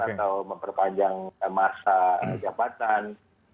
atau memperpanjang masa jabatan